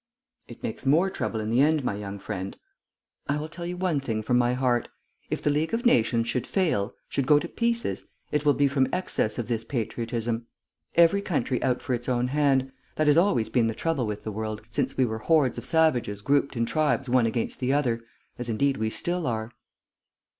"It makes more trouble in the end, my young friend.... I will tell you one thing from my heart. If the League of Nations should fail, should go to pieces, it will be from excess of this patriotism. Every country out for its own hand. That has always been the trouble with the world, since we were hordes of savages grouped in tribes one against the other as, indeed, we still are."